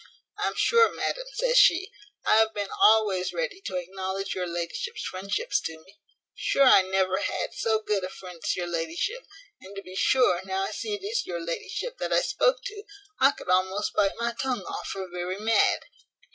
"I'm sure, madam," says she, "I have been always ready to acknowledge your ladyship's friendships to me; sure I never had so good a friend as your ladyship and to be sure, now I see it is your ladyship that I spoke to, I could almost bite my tongue off for very mad.